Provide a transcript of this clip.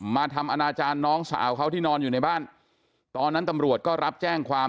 มาทำอนาจารย์น้องสาวเขาที่นอนอยู่ในบ้านตอนนั้นตำรวจก็รับแจ้งความ